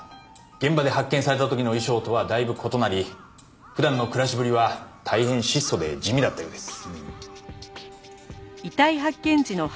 現場で発見された時の衣装とはだいぶ異なり普段の暮らしぶりは大変質素で地味だったようです。